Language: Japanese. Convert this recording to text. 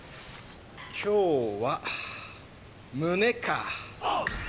今日は胸か。